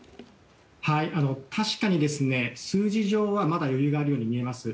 確かに数字上はまだ余裕があるように見えます。